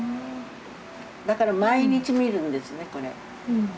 だから毎日見るんですねこれ。